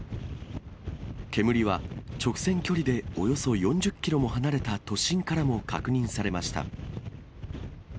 煙は直線距離でおよそ４０キロも離れた都心からも確認されました。